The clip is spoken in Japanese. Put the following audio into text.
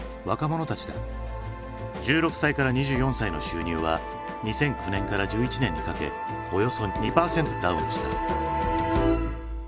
１６歳から２４歳の収入は２００９年から１１年にかけおよそ２％ダウンした。